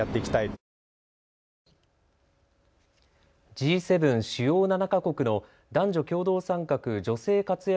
Ｇ７・主要７か国の男女共同参画・女性活躍